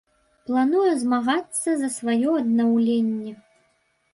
Плануе змагацца за сваё аднаўленне.